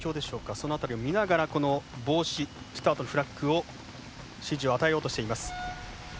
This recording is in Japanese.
その辺りを見ながら帽子、スタートのフラッグを指示を与えようとしています。